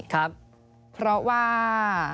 ครับเพราะว่า